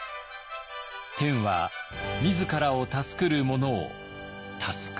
「天は自らを助くる者を助く」。